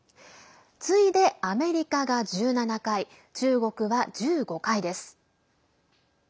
次いで、アメリカが１７回中国は１５回です。